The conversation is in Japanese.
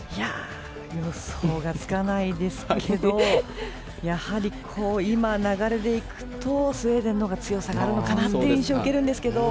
予想がつかないですけどやはり、今の流れでいくとスウェーデンのほうが強さがあるのかなという印象を受けるんですが。